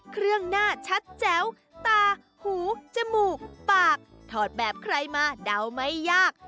เครื่องหน้าชัดแจ๋วตาหูจมูกปากถอดแบบใครมาเดาไม่ยาก